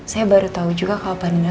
saya baru tau juga kalau panino